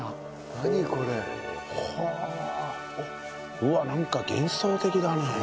うわっなんか幻想的だね。